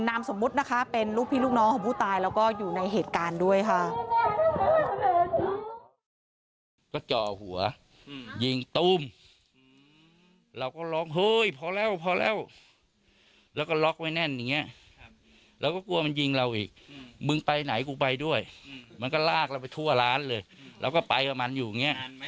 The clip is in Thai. น้ำสมมุติเป็นลูกพี่ลูกน้อง